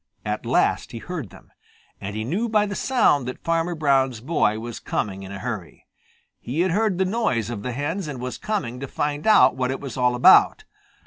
At last he heard them, and he knew by the sound that Farmer Brown's boy was coming in a hurry. He had heard the noise of the hens and was coming to find out what it was all about.